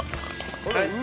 はい。